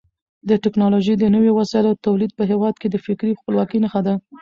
د ټکنالوژۍ د نویو وسایلو تولید په هېواد کې د فکري خپلواکۍ نښه ده.